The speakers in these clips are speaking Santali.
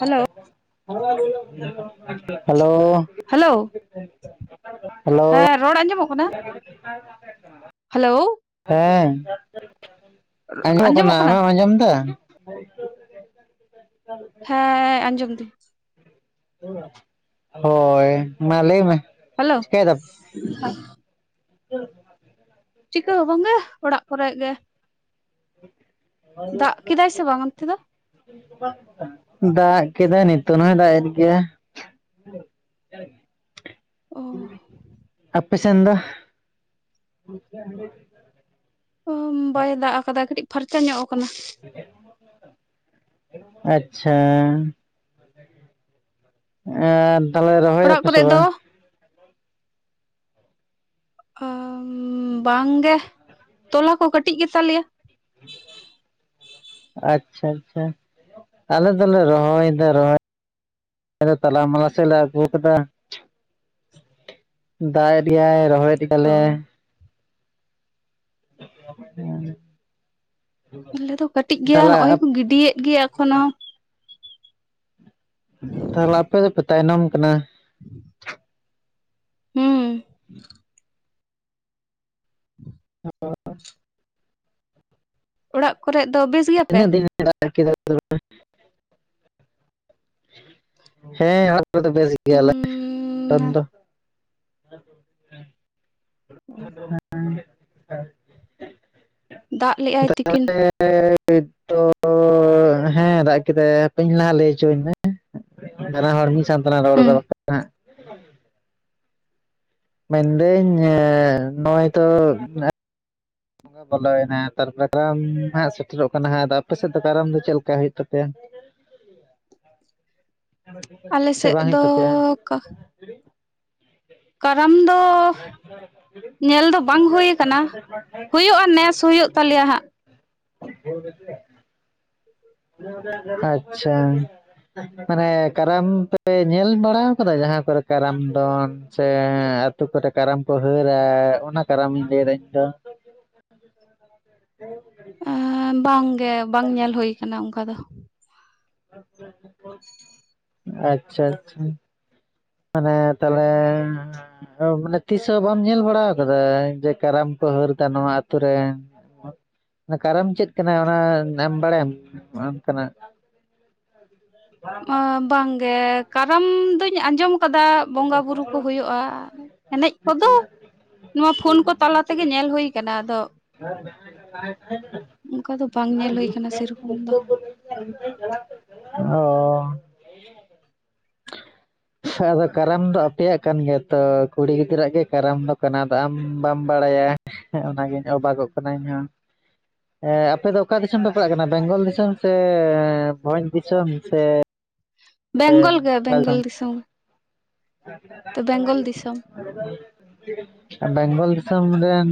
Hello hello. ᱦᱮᱞᱳᱣ ᱦᱮᱞᱳ ᱦᱮᱸ ᱨᱚᱲ ᱟᱸᱡᱚᱢᱚᱜ ᱠᱟᱱᱟ? [inaudible] ᱦᱮᱞᱳᱣ ᱾ ᱦᱮᱸ ᱟᱸᱡᱚᱢ ᱠᱟᱱᱟ ᱟᱢᱮᱢ ᱟᱸᱡᱚᱢ ᱫᱟ? ᱦᱮᱸ ᱟᱸᱡᱚᱢ ᱫᱤᱧ ᱾ ᱦᱳᱭ ᱢᱟ ᱞᱟᱹᱭ ᱢᱮ ᱦᱮᱞᱳᱼᱼ ᱪᱤᱠᱟᱹᱭ ᱫᱟᱢ? ᱪᱤᱠᱟᱹ ᱦᱚᱸ ᱵᱟᱝ ᱜᱮ ᱚᱲᱟᱜ ᱠᱚᱨᱮᱜ ᱜᱮ ᱾ ᱫᱟᱜ ᱠᱤᱫᱟᱭ ᱥᱮ ᱵᱟᱝ ᱚᱱᱛᱮ ᱫᱚ? ᱫᱟᱜ ᱠᱮᱫᱟᱭ ᱱᱤᱛᱳ ᱦᱚᱭ ᱫᱟᱜ ᱮᱫ ᱜᱮᱭᱟ ᱚ ᱾ [inaudible] ᱟᱯᱮ ᱥᱮᱫ ᱫᱚ? ᱳᱢ ᱵᱟᱭ ᱫᱟᱜ ᱠᱟᱫᱟ ᱠᱟᱹᱴᱤᱡ ᱯᱷᱟᱨᱪᱟ ᱧᱚᱜ ᱠᱟᱱᱟ ᱾ ᱟᱪᱪᱷᱟ ᱾ ᱟᱨ ᱛᱟᱦᱞᱮ ᱨᱚᱦᱚᱭ ᱚᱲᱟᱜ ᱫᱟᱯᱮ ᱠᱚᱨᱮ ᱥᱮ ᱫᱚ ᱵᱟᱝ? ᱟᱻᱵᱟᱝ ᱜᱮ ᱛᱚᱞᱟ ᱠᱚ ᱠᱟᱹᱴᱤᱡ ᱜᱮᱛᱟ ᱞᱮᱭᱟ ᱾ ᱟᱪᱪᱷᱟ ᱟᱪᱪᱷᱟ ᱟᱞᱮ ᱫᱚᱞᱮ ᱨᱚᱦᱚᱭ ᱫᱟ ᱨᱚᱦᱚᱭ ᱟᱞᱮ ᱫᱚ ᱛᱟᱞᱟᱢᱟᱞᱟ ᱥᱮᱜ ᱞᱮ ᱟᱹᱜᱩ ᱠᱟᱫᱟ ᱾ ᱫᱟᱭ ᱤᱫᱤᱭᱟᱭ ᱨᱚᱦᱚᱭ ᱚ ᱫᱟᱞᱮ ᱾ ᱦᱩᱸ᱾ ᱟᱞᱮ ᱫᱚ ᱠᱟᱹᱴᱤᱡ ᱜᱮᱭᱟ ᱛᱟᱦᱚᱞᱮ ᱦᱚᱜᱼᱚᱭ ᱠᱚ ᱜᱤᱰᱤᱭᱮᱫ ᱜᱮᱭᱟ ᱮᱠᱷᱚᱱᱳ᱾ ᱛᱟᱦᱚᱞᱮ ᱟᱯᱮ ᱫᱚᱯᱮ ᱛᱟᱭᱱᱚᱢ ᱠᱟᱱᱟ ᱾ ᱦᱩᱸ ᱾ [inaudible] [unintelligible] ᱚᱲᱟᱜ ᱠᱚᱨᱮᱜ ᱫᱚ ᱵᱮᱥ ᱜᱮᱭᱟ ᱯᱮ? [unintelligible] ᱦᱮᱸ ᱾ ᱚᱞᱮ ᱫᱚ ᱵᱮᱥ ᱜᱮᱭᱟ ᱞᱮ, ᱴᱟᱴ ᱫᱚ ᱾ [unintelligible] [unintelligible] ᱫᱟᱜ ᱞᱮᱜᱟᱭ ᱛᱤᱠᱤᱱ ᱱᱤᱛ ᱫᱚ ᱾ ᱦᱮᱸ ᱫᱟᱜ ᱠᱮᱫᱟᱭ ᱦᱟᱯᱮ ᱤᱧ ᱞᱟᱦᱟ ᱞᱟᱹᱭ ᱦᱚᱪᱚ ᱟᱹᱧ ᱢᱮ ᱵᱟᱱᱟ ᱦᱚᱲ ᱢᱤᱫ ᱥᱟᱶ ᱛᱮᱞᱟᱝ ᱨᱚᱲ ᱦᱩᱸ ᱮᱫᱟ ᱵᱟᱠᱷᱟᱡ ᱾ ᱢᱮᱱᱫᱟᱹᱧ ᱮᱸ ᱱᱚᱜ-ᱚᱭ ᱛᱚ ᱾ ᱵᱚᱸᱜᱟ ᱵᱚᱞᱚᱭᱱᱟ ᱛᱟᱨᱯᱚᱨᱮ ᱠᱟᱨᱟᱢ ᱦᱟᱸᱜ ᱥᱮᱴᱮᱨᱚᱜ ᱠᱟᱱᱟ ᱦᱟᱸᱜ ᱟᱫᱚ ᱟᱯᱮ ᱥᱮᱫ ᱫᱚ ᱠᱟᱨᱟᱢ ᱫᱚ ᱪᱮᱫ ᱞᱮᱠᱟ ᱦᱳᱭᱳᱜ ᱛᱟᱯᱮᱭᱟ? ᱥᱮ ᱵᱟᱝ ᱦᱩᱭᱩᱜ ᱛᱟᱯᱮᱭᱟ? ᱠᱟ᱾ ᱠᱟᱨᱟᱢ ᱫᱚ ᱫᱟᱨᱮ ᱠᱷᱚᱡ [unintelligible] ᱧᱮᱞ ᱫᱚ ᱵᱟᱝ ᱦᱳᱭ ᱠᱟᱱᱟ, ᱦᱳᱭᱳᱜ-ᱟ ᱱᱮᱥ ᱦᱳᱭᱳᱜ ᱛᱟᱞᱮᱭᱟ ᱦᱟᱸᱜ᱾ [unintelligible] ᱟᱪᱪᱷᱟ᱾ ᱢᱟᱱᱮ ᱠᱟᱨᱟᱢ ᱯᱮ ᱧᱮᱞ ᱵᱟᱲᱟᱣ ᱠᱟᱫᱟ? ᱡᱟᱦᱟᱸ ᱠᱚᱨᱮ ᱠᱟᱨᱟᱢ ᱫᱚᱱ᱾ ᱥᱮ ᱟᱛᱩ ᱠᱚᱨᱮ ᱠᱟᱨᱟᱢ ᱠᱚ ᱦᱟᱹᱨᱮ ᱚᱱᱟ ᱠᱟᱨᱟᱢᱤᱧ ᱞᱟᱮᱭᱫᱟ ᱤᱧ ᱫᱚ᱾ ᱟ ᱵᱟᱝᱜᱮ ᱵᱟᱝ ᱧᱮᱞ ᱦᱳᱭ ᱠᱟᱱᱟ ᱚᱝᱠᱟ ᱫᱚ᱾ ᱟᱪᱪᱷᱟ ᱟᱪᱪᱷᱟ᱾ ᱢᱟᱱᱮ ᱛᱟᱦᱚᱞᱮ ᱟᱫᱚ ᱢᱟᱱᱮ ᱛᱤᱥ ᱦᱚᱸ ᱵᱟᱢ ᱧᱮᱞ ᱵᱟᱲᱟᱣ ᱠᱟᱫᱟ ᱡᱮ ᱠᱟᱨᱟᱢ ᱠᱚ ᱦᱟᱹᱨ ᱮᱫᱟ ᱱᱚᱣᱟ ᱟᱛᱳ ᱨᱮ᱾ ᱚᱱᱟ ᱠᱟᱨᱟᱢ ᱪᱮᱫ ᱠᱟᱱᱟ? ᱚᱱᱟ ᱟᱢ ᱵᱟᱲᱟᱭᱟᱢ ᱚᱱᱠᱟᱱᱟᱜ [inaudible] ᱵᱟᱝᱜᱮ ᱠᱟᱨᱟᱢ ᱫᱩᱧ ᱟᱸᱡᱚᱢ ᱠᱟᱫᱟ᱾ ᱵᱚᱸᱜᱟ ᱵᱩᱨᱩ ᱠᱚ ᱦᱳᱭᱳᱜ-ᱟ, ᱮᱱᱮᱡ ᱠᱚᱫᱚ ᱱᱚᱣᱟ ᱯᱷᱳᱱ ᱠᱚ ᱛᱟᱞᱟ ᱛᱮᱜᱮ ᱧᱮᱞ ᱦᱳᱭ ᱠᱟᱱᱟ ᱟᱫᱚ [unintelligible] ᱚᱝᱠᱟ ᱫᱚ ᱵᱟᱝ ᱧᱮᱞ ᱦᱳᱭ ᱠᱟᱱᱟ ᱥᱮᱨᱚᱠᱚᱢ ᱫᱚ᱾ ᱚᱻ᱾ ᱟᱫᱚ ᱠᱟᱨᱟᱢ ᱫᱚ ᱟᱯᱮᱭᱟᱜ ᱠᱟᱱ ᱜᱮᱭᱟ ᱛᱚ᱾ ᱠᱩᱲᱤ ᱜᱤᱫᱽᱨᱟᱹᱣᱟᱜ ᱜᱮ ᱠᱟᱨᱟᱢ ᱫᱚ ᱠᱟᱱᱟ ᱟᱫᱚ ᱟᱢ ᱵᱟᱢ ᱵᱟᱲᱟᱭᱟ᱾ ᱮᱸ ᱚᱱᱟᱜᱤᱧ ᱚᱵᱟᱜᱚᱜ ᱠᱟᱱᱟ ᱤᱧᱦᱚᱸ ᱮᱸ ᱟᱯᱮ ᱫᱚ ᱚᱠᱟ ᱫᱤᱥᱚᱢ ᱯᱮ ᱯᱟᱲᱟᱜ ᱠᱟᱱᱟ ᱵᱮᱝᱜᱚᱞ ᱫᱤᱥᱚᱢ ᱥᱮ ᱵᱷᱚᱸᱡᱽ ᱫᱤᱥᱚᱢ ᱥᱮ ᱵᱮᱝᱜᱚᱞ ᱜᱮ ᱵᱮᱝᱜᱚᱞ ᱫᱤᱥᱚᱢ᱾ ᱵᱮᱝᱜᱚᱞ ᱫᱤᱥᱚᱢ᱾ [inaudible] ᱵᱮᱝᱜᱚᱞ ᱫᱤᱥᱚᱢ ᱨᱮᱱ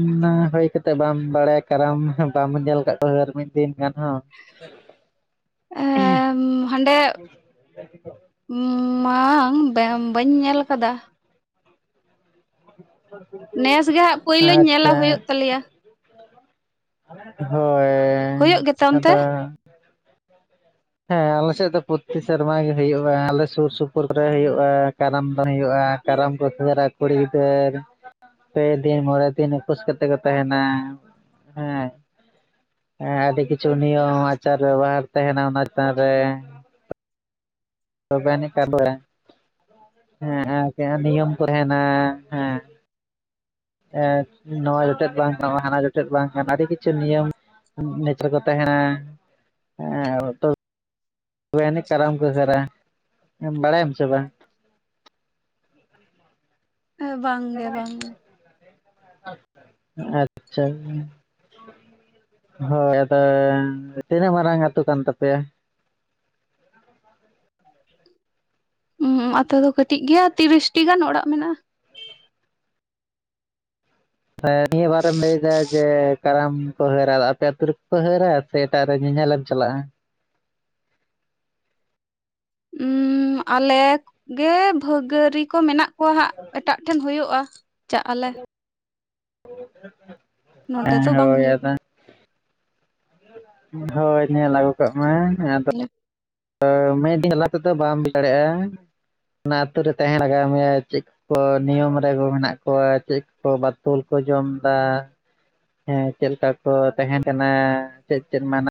ᱦᱩᱭ ᱠᱟᱛᱮ ᱵᱟᱢ ᱵᱟᱲᱟᱭᱟ ᱠᱟᱨᱟᱢ ᱵᱟᱢ ᱧᱮᱞ ᱠᱟᱫ ᱠᱚᱣᱟ ᱟᱨ ᱠᱟᱨᱢᱤ ᱾ ᱫᱤᱱ ᱜᱟᱱ ᱦᱚ᱾ ᱮᱸᱻ ᱦᱟᱸᱰᱮ᱾ ᱵᱟᱝ ᱵᱟᱹᱧ ᱧᱮᱞ ᱠᱟᱫᱟ᱾ [inaudible] ᱱᱮᱥ ᱜᱮᱸᱦᱟᱜ ᱯᱳᱭᱞᱳᱧ ᱧᱮᱞᱟ ᱟᱪᱪᱷᱟ ᱦᱳᱭᱳᱜ ᱛᱟᱞᱮᱭᱟ᱾ ᱦᱩᱭᱩᱜ ᱦᱳᱭ ᱜᱮᱛᱮ ᱚᱱᱛᱮ ᱟᱫᱚ᱾ ᱦᱮᱸ ᱟᱞᱮᱥᱮᱫ ᱫᱚ ᱯᱨᱚᱛᱤ ᱥᱮᱨᱢᱟ ᱜᱮ ᱦᱳᱭᱳᱜᱼᱟ, ᱟᱞᱮ ᱥᱩᱨ ᱥᱩᱯᱩᱨ ᱨᱮ ᱦᱳᱭᱳᱜᱼᱟ᱾ ᱠᱟᱨᱟᱢ ᱫᱚᱱ ᱦᱳᱭᱳᱜᱼᱟ ᱠᱟᱨᱟᱢ [unintelligible] ᱨᱮ ᱟᱫᱷᱠᱩᱲᱤ ᱜᱤᱫᱟᱹᱨᱼᱼ ᱯᱮ ᱫᱤᱱ ᱢᱚᱬᱮ ᱫᱤᱱ ᱩᱯᱟᱹᱥ ᱠᱟᱛᱮᱜ ᱠᱚ ᱛᱟᱦᱮᱱᱟ᱾ ᱦᱮᱸᱼᱼ ᱦᱮᱸ ᱟᱹᱰᱤ ᱠᱤᱪᱷᱩ ᱱᱤᱭᱚᱢ ᱟᱪᱟᱨ ᱵᱮᱵᱚᱦᱟᱨ ᱛᱟᱦᱮᱱᱟ ᱚᱱᱟ ᱪᱮᱛᱟᱱ ᱨᱮ᱾ ᱛᱚᱵᱮᱱᱤ [unintelligible] ᱦᱮᱸ ᱟᱨ ᱡᱟᱦᱟᱸ ᱱᱤᱭᱚᱢ ᱠᱚ ᱛᱟᱦᱮᱱᱟ ᱦᱮᱸᱼᱼ ᱮᱸᱻ ᱱᱚᱣᱟ ᱡᱚᱴᱮᱫ ᱵᱟᱝ ᱱᱟ ᱦᱟᱱᱟ ᱡᱚᱴᱮᱫ ᱵᱟᱝ ᱜᱟᱱᱟ ᱟᱹᱰᱤ ᱠᱤᱪᱷᱩ ᱱᱤᱭᱚᱢᱼᱼ ᱱᱮᱪᱟᱨ ᱠᱚ ᱛᱟᱦᱮᱱᱟ ᱛᱟᱦᱮᱱᱟ᱾ [unintelligible] ᱛᱚᱵᱮ ᱟᱱᱤᱡ ᱠᱟᱨᱟᱢ ᱠᱚ ᱦᱟᱹᱨᱟ, ᱵᱟᱲᱟᱭᱟᱢ ᱥᱮ ᱵᱟᱝ? ᱮᱻ ᱵᱟᱝᱜᱮ ᱵᱟᱝ᱾ ᱟᱪᱷᱟ᱾ ᱦᱚᱭ ᱟᱫᱚ ᱛᱤᱱᱟᱹᱜ ᱢᱟᱨᱟᱝ ᱟᱛᱩ ᱠᱟᱱ ᱛᱟᱯᱮᱭᱟ? ᱩᱸᱻ ᱟᱛᱩ ᱫᱚ ᱠᱟᱹᱴᱤᱡ ᱜᱮᱭᱟ ᱛᱤᱨᱤᱥᱴᱤ ᱜᱟᱱ ᱚᱲᱟᱜ ᱢᱮᱱᱟᱜᱼᱟ᱾ ᱮᱻ ᱱᱤᱭᱟᱹ ᱵᱟᱨᱮᱢ ᱞᱟᱹᱭᱫᱟ ᱡᱮᱼᱼ ᱠᱟᱨᱟᱢ ᱠᱚ ᱦᱟᱹᱨᱟ ᱟᱫᱚ ᱟᱯᱮ ᱟᱹᱛᱩ ᱨᱮ ᱠᱚ ᱦᱟᱹᱨᱟ ᱥᱮ ᱮᱴᱟᱜ ᱨᱮ ᱧᱮᱧᱮᱞᱮᱢ ᱪᱟᱞᱟᱜᱼᱟ? ᱩᱸᱻ ᱟᱞᱮ ᱜᱮ ᱵᱷᱟᱹᱜᱟᱹᱨᱤᱼᱼ ᱠᱚ ᱢᱮᱱᱟᱜ ᱠᱚᱣᱟ ᱦᱟᱸᱜ ᱮᱴᱟᱜ ᱴᱷᱮᱱ ᱦᱳᱭᱳᱜᱼᱟ ᱪᱟᱜᱼᱟᱞᱮ᱾ [unintelligible] ᱱᱚᱰᱮ ᱫᱚ ᱮᱸ ᱵᱟᱝ ᱦᱳᱭ ᱦᱩᱭᱩᱜᱼᱟ ᱟᱫᱚᱼᱼ ᱦᱮᱸ ᱦᱳᱭ ᱧᱮᱞ ᱟᱹᱜᱩ ᱠᱟᱜ ᱢᱮ, ᱟᱫᱚ [inaudible] ᱢᱤᱫ ᱫᱤᱱ ᱡᱟᱞᱟ ᱛᱮᱫᱚ ᱵᱟᱢ ᱦᱩᱭ ᱫᱟᱲᱮᱭᱟᱜᱼᱟ ᱚᱱᱟ ᱟᱹᱛᱩ ᱨᱮ ᱛᱟᱦᱮᱸ ᱞᱟᱜᱟᱣ ᱢᱮᱭᱟ ᱪᱮᱫ ᱠᱚ ᱱᱤᱭᱚᱢ ᱨᱮᱜᱮ ᱢᱮᱱᱟᱜ ᱠᱚᱣᱟ ᱪᱮᱫ ᱠᱚ ᱵᱟᱛᱚᱞ ᱠᱚ ᱡᱚᱢ ᱮᱫᱟ᱾ ᱦᱮᱸ ᱪᱮᱫ ᱞᱮᱠᱟ ᱠᱚ ᱛᱟᱦᱮᱱ ᱠᱟᱱᱟ ᱪᱮᱫ ᱪᱮᱫ ᱢᱟᱱᱟ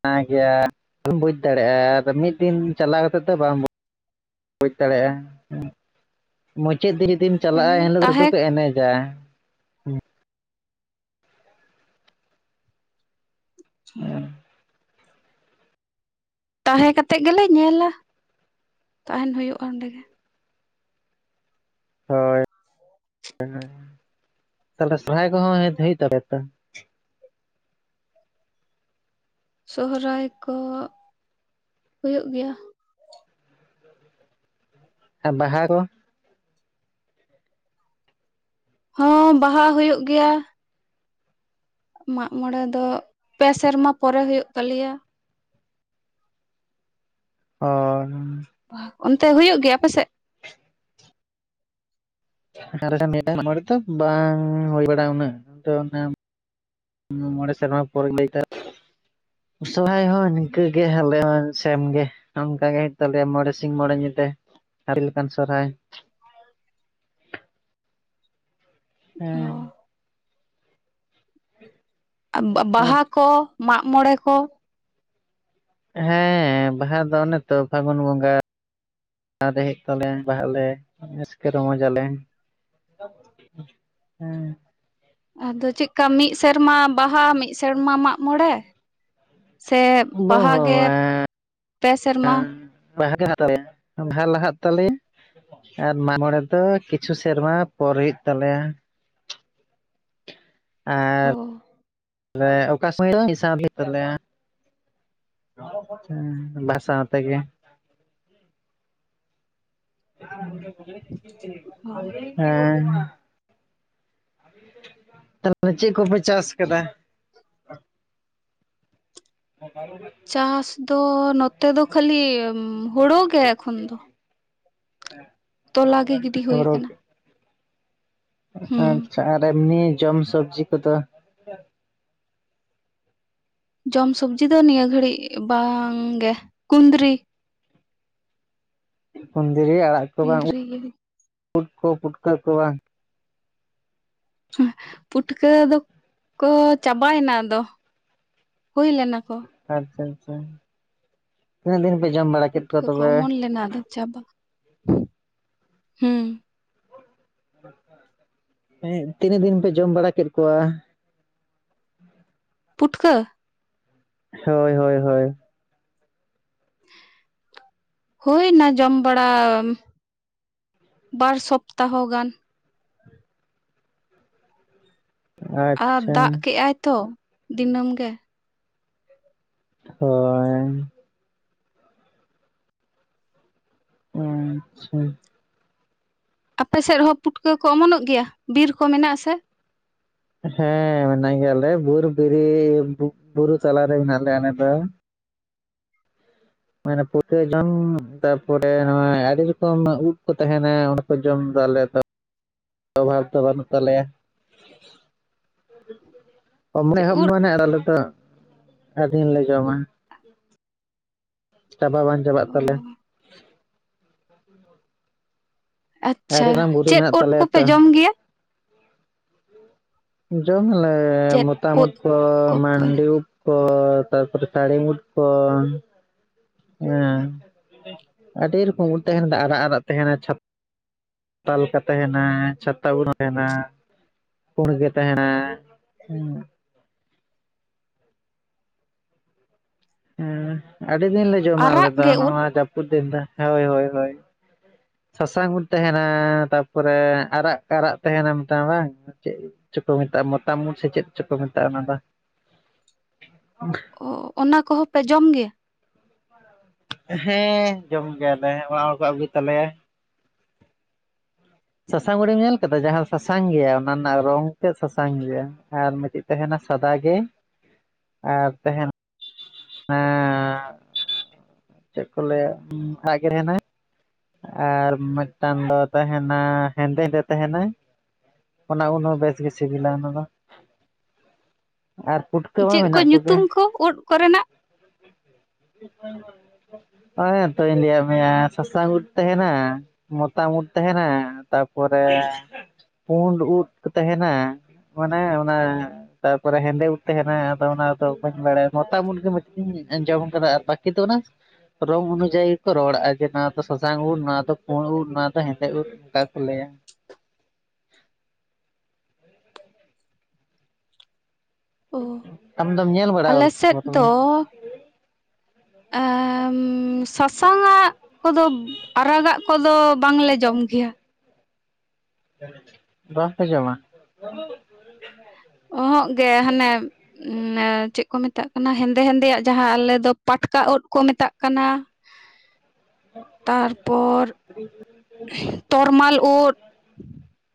-ᱱᱟ ᱜᱮᱭᱟ ᱵᱟᱢ ᱵᱩᱡᱽ ᱫᱟᱲᱮᱭᱟᱜᱼᱟ ᱟᱫᱚ ᱢᱤᱫ ᱫᱤᱱ ᱪᱟᱞᱟᱣ ᱠᱟᱛᱮ ᱫᱚ ᱵᱟᱢ ᱵᱩᱡᱽ ᱫᱟᱲᱮᱭᱟᱜᱼᱟ ᱢᱩᱪᱟᱹᱫ ᱨᱮ ᱡᱩᱫᱤᱢ ᱪᱟᱞᱟᱜᱼᱟ ᱦᱮᱸ ᱮᱱᱦᱤᱞᱳᱜ ᱥᱩᱫᱩ ᱛᱟᱦᱮᱸ ᱠᱚ ᱮᱱᱮᱡᱟ᱾ ᱦᱩᱸ ᱛᱟᱦᱮᱸ ᱠᱟᱛᱮᱜ ᱜᱮᱞᱮ ᱧᱮᱞᱟ᱾ ᱛᱟᱦᱮᱱ ᱦᱩᱭᱩᱜ-ᱟ ᱚᱸᱰᱮ ᱜᱮ᱾ ᱦᱳᱭ [unintelligible] ᱛᱟᱦᱚᱞᱮ ᱥᱚᱨᱦᱟᱭ ᱠᱚᱦᱚᱸ [unintelligible] ᱛᱟᱯᱮᱭᱟ ᱛᱚ? ᱥᱚᱦᱨᱟᱭ ᱠᱚ ᱦᱩᱭᱩᱜ ᱜᱮᱭᱟ᱾ ᱟᱨ ᱵᱟᱦᱟ ᱫᱚ? ᱦᱚᱸ ᱵᱟᱦᱟ ᱦᱩᱭᱩᱜ ᱜᱮᱭᱟ᱾ ᱢᱟᱜ ᱢᱚᱬᱮ ᱫᱚ ᱯᱮ ᱥᱮᱨᱢᱟ ᱯᱚᱨᱮ ᱦᱩᱭᱩᱜ ᱛᱟᱞᱮᱭᱟ᱾ ᱚᱻ ᱚᱱᱛᱮ ᱦᱩᱭᱩᱜ ᱜᱮᱭᱟ ᱟᱯᱮ ᱥᱮᱫ? [unintelligible] ᱵᱟᱝ ᱦᱩᱭ ᱵᱟᱲᱟᱜ ᱩᱱᱟᱹᱜ ᱫᱚ ᱚᱱᱟ᱾ ᱦᱩᱸ ᱢᱚᱬᱮ ᱥᱮᱨᱢᱟ ᱯᱚᱨᱮᱧ ᱞᱟᱹᱭ ᱫᱟ ᱾ ᱥᱚᱨᱦᱟᱭ ᱦᱚᱸ ᱱᱤᱝᱠᱟᱹ ᱜᱮ ᱟᱞᱮ ᱦᱚ ᱥᱮᱢ ᱜᱮ᱾ ᱚᱱᱠᱟ ᱜᱮ ᱦᱩᱭᱩᱜ ᱛᱟᱞᱮᱭᱟ ᱢᱚᱬᱮ ᱥᱤᱧ ᱢᱚᱬᱮ ᱧᱤᱫᱟᱹ ᱦᱟᱹᱛᱤ ᱞᱮᱠᱟᱱ ᱥᱚᱨᱦᱟᱭ᱾ ᱦᱮᱸ ᱵᱟᱦᱟ ᱠᱚ ᱢᱟᱜ ᱢᱚᱬᱮ ᱠᱚ? ᱦᱮᱸ ᱵᱟᱦᱟ ᱫᱚ ᱚᱱᱮ ᱛᱚ ᱯᱷᱟᱜᱩᱱ ᱵᱚᱸᱜᱟ᱾ [unintelligible] ᱛᱟᱞᱮᱭᱟ ᱵᱟᱦᱟᱜ ᱟᱞᱮ ᱨᱟᱹᱥᱠᱟᱹ ᱨᱚᱢᱚᱡ ᱟᱞᱮ᱾ ᱦᱮᱸ ᱟᱫᱚ ᱪᱮᱫ ᱞᱮᱠᱟ ᱢᱤᱫ ᱥᱮᱨᱢᱟ ᱵᱟᱦᱟ ᱢᱤᱫ ᱥᱮ ᱥᱮᱨᱢᱟ ᱢᱟᱜ ᱢᱚᱬᱮ, ᱥᱮ ᱵᱟ ᱵᱟᱦᱟ ᱵᱟ ᱜᱮ ᱵᱟ ᱯᱮ ᱥᱮᱨᱢᱟ? ᱵᱟᱦᱟ [unintelligible] ᱛᱟᱞᱮᱭᱟ ᱵᱟᱦᱟ ᱞᱟᱦᱟᱜ ᱛᱟᱞᱮᱭᱟ᱾ ᱟᱨ ᱢᱟᱜᱢᱚᱬᱮ ᱫᱚ ᱠᱤᱪᱷᱩ ᱥᱮᱨᱢᱟ ᱯᱚᱨ ᱦᱩᱭᱩᱜ ᱛᱟᱞᱮᱭᱟ᱾ ᱚ ᱟᱨ ᱚᱠᱟ ᱥᱟᱢᱚᱭ ᱫᱚ ᱢᱤᱫ [unintelligible] ᱦᱩᱭᱩᱜ ᱛᱟᱞᱮᱭᱟ ᱵᱟᱦᱟ ᱥᱟᱣ ᱛᱮᱜᱮ᱾ [unintelligible] ᱚ ᱮᱸ, ᱛᱟᱨ ᱯᱨᱮ ᱪᱮᱫ ᱠᱚᱯᱮ ᱪᱟᱥ ᱟᱠᱟᱫᱟ? [unintelligible] ᱪᱟᱥ ᱫᱚ ᱱᱚᱛᱮ ᱫᱚ ᱠᱷᱟᱹᱞᱤ ᱦᱳᱲᱳ ᱜᱮ ᱮᱠᱷᱚᱱ ᱫᱚ᱾ [unintelligible] ᱛᱚᱞᱟ ᱜᱮ ᱜᱤᱰᱤ ᱦᱳᱭ ᱦᱳᱲᱳ ᱠᱟᱱᱟ᱾ ᱦᱩᱸ ᱟᱪᱪᱷᱟ, ᱟᱨ ᱮᱢᱱᱤ ᱡᱚᱢ ᱥᱚᱵᱡᱤ ᱠᱚᱫᱚ? ᱡᱚᱢ ᱥᱚᱵᱡᱤ ᱫᱚ ᱱᱤᱭᱟᱹ ᱜᱷᱟᱹᱲᱤᱡ ᱵᱟᱝ ᱜᱮ ᱠᱩᱸᱫᱽᱨᱤ, ᱠᱩᱸᱫᱨᱤ ᱟᱲᱟᱜ ᱠᱚ ᱵᱟᱝ ᱠᱩᱱᱫᱨᱤ ᱜᱮ, ᱩᱫ ᱠᱚ ᱯᱩᱴᱠᱚᱹ ᱠᱚᱭᱟ ᱯᱩᱴᱠᱟᱹ ᱫᱚᱠᱚ ᱪᱟᱵᱟᱭᱮᱱᱟ ᱟᱫᱚ, ᱦᱩᱭ ᱞᱮᱱᱟ ᱠᱚ᱾ ᱟᱪᱪᱷᱟ, ᱟᱪᱪᱷᱟ, ᱛᱤᱱᱟᱹᱜ ᱫᱤᱱ ᱯᱮ ᱡᱚᱢ ᱵᱟᱲᱟ ᱠᱮᱫ ᱯᱩᱴᱠᱟᱹ ᱠᱚᱣᱟ ᱠᱚ ᱛᱚᱵᱮ? ᱚᱢᱚᱱ ᱞᱮᱱᱟ ᱟᱫᱚ ᱪᱟᱵᱟ, ᱦᱩᱸ ᱢᱮᱱᱤ ᱛᱤᱱᱟᱹᱜ ᱫᱤᱱ ᱯᱮ ᱡᱚᱢ ᱵᱟᱲᱟ ᱠᱮᱫ ᱠᱚᱣᱟ? ᱯᱩᱴᱷᱠᱟᱹ ᱦᱳᱭ ᱦᱳᱭ ᱦᱳᱭ, ᱦᱳᱭᱱᱟ ᱡᱚᱢ ᱵᱟᱲᱟ ᱵᱟᱨ ᱥᱚᱯᱛᱟᱦᱚ ᱜᱟᱱ᱾ ᱟᱨ ᱟᱪᱪᱷᱟ ᱫᱟᱜ ᱠᱮᱜᱟᱭ ᱛᱚ ᱫᱤᱱᱟᱹᱢ ᱜᱮ, ᱦᱳᱭᱻ ᱚ ᱟᱪᱪᱷᱟ, ᱟᱯᱮ ᱥᱮᱫ ᱦᱚᱸ ᱯᱩᱴᱠᱟᱹ ᱠᱚ ᱚᱢᱚᱱᱚᱜ ᱜᱮᱭᱟ, ᱵᱤᱨ ᱠᱚ ᱢᱮᱱᱟᱜ ᱟᱥᱮ? ᱦᱮᱸ ᱢᱮᱱᱟᱜ ᱜᱮᱭᱟ ᱟᱞᱮ ᱵᱩᱨ ᱵᱤᱨᱤ ᱵᱩ-ᱵᱩᱨᱩ ᱛᱟᱞᱟᱨᱮ ᱢᱮᱱᱟᱜ ᱞᱮᱭᱟ ᱟᱞᱮ ᱫᱚ ᱾ ᱢᱟᱱᱮ ᱯᱩᱴᱟᱹ ᱡᱚᱢ ᱛᱟᱯᱚᱨᱮ, ᱱᱚᱣᱟ ᱟᱹᱰᱤ ᱨᱚᱠᱚᱢ ᱩᱵ ᱠᱚ ᱛᱟᱦᱮᱱᱟ ᱾ ᱡᱚᱢ ᱫᱚ ᱟᱞᱮ ᱫᱚ ᱚᱵᱷᱟᱵᱽ ᱫᱚ ᱵᱟᱹᱱᱩᱜ ᱛᱟᱞᱮᱭᱟ ᱾ ᱪᱮᱫ ᱩᱫ [unintelligible] ᱟᱞᱮ ᱫᱚ ᱟᱹᱰᱤ ᱫᱤᱱ ᱞᱮ ᱡᱚᱢᱟ᱾ ᱪᱟᱵᱟ ᱵᱟᱝ ᱪᱟᱵᱟᱜ ᱚ ᱛᱟᱞᱮ, [unintelligible] ᱟᱹᱰᱤ ᱟᱪᱪᱷᱟ, ᱢᱟᱨᱟᱝ ᱵᱩᱨᱩ ᱪᱮᱫ ᱢᱮᱱᱟᱜ ᱳᱫ ᱛᱟᱞᱮᱭᱟ ᱠᱚᱯᱮ ᱛᱚ ᱡᱚᱢ ᱜᱮᱭᱟ? ᱡᱚᱢ ᱟᱞᱮ ᱪᱮᱫ ᱩᱫ ᱢᱚᱛᱟᱢᱚᱛ ᱫᱚ ᱠᱚᱯᱮ ᱢᱟᱱᱰᱤ ᱩᱫ ᱠᱚ ᱛᱟᱨᱯᱚᱨ ᱥᱟᱲᱤ ᱩᱫ ᱠᱚ᱾ ᱮᱸ ᱟᱹᱰᱤ ᱨᱚᱠᱚᱢ ᱩᱫ ᱛᱟᱦᱮᱱᱟ, ᱟᱨᱟᱜ ᱟᱨᱟᱜ ᱛᱟᱦᱮᱱᱟ ᱪᱷᱟ ᱛᱟ ᱞᱮᱠᱟ ᱛᱟᱦᱮᱱᱟ ᱪᱷᱟᱛᱟ ᱵᱩᱱ ᱛᱟᱦᱮᱱᱟ ᱾ ᱯᱩᱺᱲ ᱜᱮ ᱛᱟᱸᱦᱮᱱᱟ ᱦᱮᱸ, ᱦᱮᱸ, ᱟᱹᱰᱤ ᱫᱤᱱ ᱞᱮ ᱡᱚᱢᱟ ᱟᱞᱮ ᱟᱨᱟᱜ ᱫᱚ ᱜᱮ ᱩᱫ ᱱᱚᱣᱟ ᱡᱟᱹᱯᱩᱫ ᱫᱤᱱ ᱫᱚ ᱦᱳᱭ ᱦᱳᱭ, ᱥᱟᱥᱟᱝ ᱩᱫ ᱛᱟᱦᱮᱱᱟ, ᱛᱟᱨᱯᱚᱨᱮ ᱟᱨᱟᱜ ᱟᱨᱟᱜ ᱛᱟᱦᱮᱱᱟ ᱢᱤᱫᱴᱟᱝ ᱵᱟᱝ? ᱪᱮᱫ ᱪᱚ ᱠᱚ ᱢᱮᱛᱟᱜᱼᱟ, ᱢᱚᱛᱟᱢ ᱩᱫ ᱥᱮ ᱪᱮᱫ ᱪᱚ ᱠᱚ ᱢᱮᱛᱟᱜᱼᱟ ᱚᱱᱟ ᱫᱚ ᱾ ᱚ ᱚᱱᱟ ᱠᱚᱦᱚᱸ ᱯᱮ ᱡᱚᱢ ᱜᱮᱭᱟ? ᱦᱮᱸ, ᱡᱚᱢ ᱜᱮᱭᱟᱞᱮ ᱚᱲᱟᱜ ᱦᱚᱲ ᱠᱚ ᱟᱹᱜᱩᱭ ᱛᱟᱞᱮᱭᱟ ᱾ ᱥᱟᱥᱟᱝ ᱩᱫ ᱮᱢ ᱧᱮᱞ ᱠᱟᱫᱟ, ᱡᱟᱦᱟᱸ ᱥᱟᱥᱟᱝ ᱜᱮᱭᱟ ᱚᱱᱟ ᱨᱮᱱᱟᱜ ᱨᱚᱝ ᱛᱮᱫ ᱥᱟᱥᱟᱝ ᱜᱮᱭᱟ ᱾ ᱟᱨ ᱢᱤᱫᱴᱤᱡ ᱛᱟᱦᱮᱱᱟ ᱥᱟᱫᱟ ᱜᱮ, ᱟᱨ ᱛᱟᱦᱮᱱᱟ ᱦᱮᱸ ᱪᱮᱫ ᱠᱚ ᱞᱟᱹᱭᱟ [unintelligible] ᱟᱨ ᱢᱤᱫᱴᱟᱝ ᱫᱚ ᱛᱟᱦᱮᱱᱟ ᱦᱮᱸᱫᱮ ᱜᱮ ᱛᱟᱦᱮᱱᱟ ᱾ ᱚᱱᱟ ᱩᱞ ᱦᱚᱸ ᱵᱮᱥ ᱜᱮ ᱥᱤᱵᱤᱞᱟ ᱚᱱᱟ ᱫᱚ ᱟᱨᱼᱼ ᱪᱮᱫ ᱠᱚ ᱧᱩᱛᱩᱢ ᱠᱚ ᱳᱫ ᱠᱚᱨᱮᱱᱟᱜ? ᱦᱚᱸᱜᱼᱚᱭ ᱛᱚ ᱞᱟᱹᱭᱟᱜ ᱢᱮᱭᱟ ᱥᱟᱥᱟᱝ ᱩᱫ᱾ ᱛᱟᱦᱮᱱᱟ ᱢᱚᱛᱟᱢ ᱳᱫ ᱛᱟᱦᱮᱱᱟ ᱛᱟᱨᱯᱚᱨᱮᱼᱼ ᱯᱩᱸᱰ ᱩᱫ ᱠᱚ ᱛᱟᱦᱮᱱᱟ ᱢᱟᱱᱮ ᱚᱱᱟᱼᱼ ᱛᱟᱨᱯᱚᱨᱮ ᱦᱮᱸᱫᱮ ᱩᱫ ᱛᱟᱦᱮᱱᱟ ᱟᱫᱚ ᱚᱱᱟᱫᱚ ᱵᱟᱹᱧ ᱵᱟᱲᱟᱭᱟ ᱢᱚᱛᱟᱢ ᱩᱫ ᱜᱮ ᱢᱤᱫᱴᱤᱡ ᱤᱧ ᱟᱸᱡᱚᱢ ᱠᱟᱫᱟ ᱟᱨ ᱵᱟᱠᱤ ᱫᱚ ᱚᱱᱟᱼᱼ ᱨᱚᱝ ᱚᱱᱩᱡᱟᱭᱤ ᱠᱚ ᱨᱚᱲᱟᱜ-ᱟ ᱡᱮ ᱱᱚᱣᱟ ᱫᱚ ᱥᱟ ᱥᱟᱥᱟᱝ ᱩᱫ ᱱᱚᱣᱟ ᱫᱚ ᱯᱩᱲ ᱩᱞ ᱱᱚᱣᱟ ᱫᱚ ᱦᱮᱸᱫᱮ ᱩᱞ ᱚᱱᱠᱟ ᱠᱚ ᱞᱟᱹᱭᱟ ᱾ ᱚ ᱟᱢ ᱫᱚᱢ ᱧᱮᱞ ᱵᱟᱲᱟ ᱟᱞᱮ ᱟᱠᱟᱫᱟ ᱥᱮ ᱥᱮᱫ ᱵᱟᱝ ᱛᱚᱵᱮ ᱫᱚᱼᱼ ᱥᱟᱥᱟᱝ ᱟᱜ ᱠᱚᱫᱚᱼᱼ ᱟᱨᱟᱜᱟᱜ ᱠᱚᱫᱚ ᱵᱟᱝᱞᱮ ᱡᱚᱢ ᱜᱮᱭᱟ ᱾ ᱵᱟᱝᱯᱮ ᱡᱚᱢᱟ? [inaudible] ᱚ ᱦᱚᱸᱜ ᱜᱮ ᱦᱟᱱᱮᱼᱼ ᱮ ᱪᱮᱫ ᱠᱚ ᱢᱮᱛᱟᱜ ᱠᱟᱱᱟ ᱦᱮᱸᱫᱮ ᱦᱮᱸᱫᱮᱭᱟᱜ ᱡᱟᱦᱟᱸ ᱟᱞᱮ ᱫᱚ ᱯᱟᱴᱠᱟ ᱩᱫ ᱠᱚ ᱢᱮᱛᱟᱜ ᱠᱟᱱᱟ ᱾ [inaudible] ᱛᱟᱨᱯᱚᱨ ᱛᱚᱨᱢᱟᱞ ᱳᱫ ᱾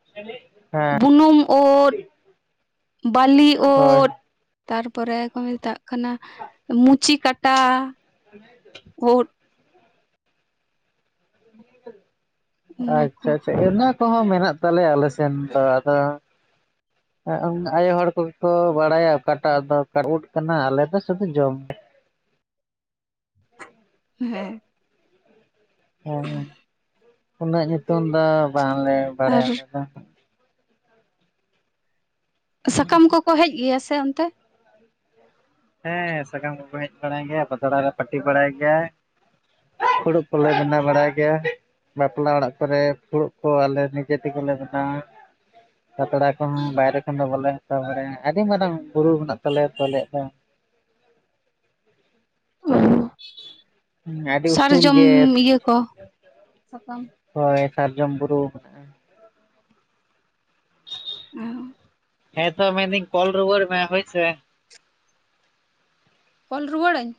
[inaudible] ᱵᱩᱱᱩᱢ ᱳᱫ, ᱵᱟᱞᱤ ᱦᱳᱭ ᱳᱫᱼᱼ ᱛᱟᱨᱯᱚᱨᱮ ᱠᱚ ᱢᱮᱛᱟᱜ ᱠᱟᱱᱟ ᱢᱩᱪᱤ ᱠᱟᱴᱟ᱾ [inaudible] ᱳᱫ᱾ ᱚᱱᱟ ᱟᱪᱪᱷᱟ ᱠᱚ ᱟᱪᱪᱷᱟ ᱼᱼ ᱠᱚᱦᱚᱸ ᱢᱮᱱᱟᱜ ᱛᱟᱞᱮᱭᱟ ᱟᱞᱮ ᱥᱮᱱ ᱫᱚ ᱟᱫᱚᱼᱼ ᱟᱭᱳ ᱦᱚᱲ ᱠᱚᱜᱮ ᱠᱚ ᱵᱟᱲᱟᱭᱟ ᱚᱠᱟᱴᱟᱜ ᱫᱚ ᱚᱠᱟ ᱳᱫ ᱠᱟᱱᱟ ᱟᱞᱮ ᱫᱚ ᱥᱩᱫᱷᱩ ᱡᱚᱢᱼᱼ ᱦᱮᱸ᱾ ᱦᱮᱸ ᱩᱱᱟᱹᱜ ᱧᱩᱛᱩᱢ ᱫᱚ ᱵᱟᱝᱞᱮ ᱟᱨ ᱵᱟᱲᱟᱭᱟ ᱟᱞᱮ ᱫᱚ᱾ ᱥᱟᱠᱟᱢ ᱠᱚᱠᱚ ᱦᱮᱡ ᱜᱮᱭᱟ ᱥᱮ ᱚᱱᱛᱮ? ᱦᱮᱸ ᱥᱟᱠᱟᱢ ᱠᱚᱠᱚ ᱦᱮᱡ ᱵᱟᱲᱟᱭ ᱜᱮᱭᱟ ᱯᱟᱛᱲᱟ ᱞᱮ ᱯᱟᱹᱴᱤ ᱵᱟᱲᱟᱭ ᱜᱮᱭᱟ᱾ ᱯᱷᱩᱲᱩᱜ ᱠᱚᱞᱮ ᱵᱮᱱᱟᱣ ᱵᱟᱲᱟᱭ ᱜᱮᱭᱟ᱾ ᱵᱟᱯᱞᱟ ᱚᱲᱟᱜ ᱠᱚᱨᱮ ᱯᱷᱩᱲᱩᱜ ᱠᱚ ᱟᱞᱮ ᱱᱤᱡᱮ ᱛᱮᱜᱮ ᱞᱮ ᱵᱮᱱᱟᱣᱟ᱾ ᱯᱟᱛᱲᱟ ᱠᱚᱦᱚᱸ ᱵᱟᱭᱨᱮ ᱠᱷᱚᱱ ᱫᱚ ᱵᱚᱞᱮ ᱦᱟᱛᱟᱣ ᱵᱟᱲᱟᱭᱟ ᱟᱹᱰᱤ ᱢᱟᱨᱟᱝ ᱵᱩᱨᱩ ᱢᱮᱱᱟᱜ ᱛᱟᱞᱮᱭᱟ ᱛᱚ ᱟᱞᱮᱭᱟᱜ ᱫᱚᱼᱼ [inaudible] [unintelligible] ᱟᱹᱰᱤ ᱩᱥᱩᱞ ᱥᱟᱨᱡᱚᱢ ᱜᱮ ᱤᱭᱟᱹ ᱠᱚ ᱥᱟᱠᱟᱢ ᱦᱳᱭ ᱥᱟᱨᱡᱚᱢ ᱵᱩᱨᱩ᱾ ᱦᱩᱸ᱾ ᱦᱮᱸ ᱛᱚ ᱢᱮᱱ ᱫᱤᱧ ᱠᱚᱞ ᱨᱩᱣᱟᱹᱲ ᱢᱮ ᱦᱳᱭ ᱥᱮ᱾ ᱠᱚᱞ ᱨᱩᱣᱟᱹᱲᱟᱹᱧ?